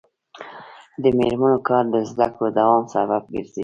د میرمنو کار د زدکړو دوام سبب ګرځي.